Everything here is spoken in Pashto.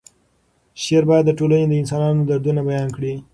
شعر باید د ټولنې د انسانانو دردونه بیان کړي.